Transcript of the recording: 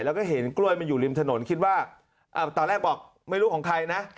แล้วก็เห็นกล้วยมันอยู่ริมถนนคิดว่าตอนแรกบอกไม่รู้ของใครนะ